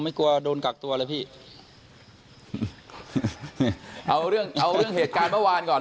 กลัวโดนกักตัวเลยพี่เอาเรื่องเอาเรื่องเหตุการณ์เมื่อวานก่อน